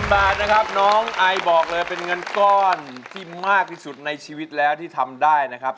บาทนะครับน้องไอบอกเลยเป็นเงินก้อนที่มากที่สุดในชีวิตแล้วที่ทำได้นะครับ